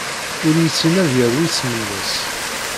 Ur yessin ad yaru isem-nnes.